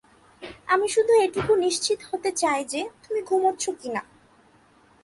আমি শুধু এটুকু নিশ্চিত হতে চাই যে, তুমি ঘুমাচ্ছো কিনা।